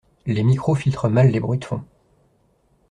Les micros fitrent mal les bruits de fond.